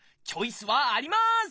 チョイスはあります！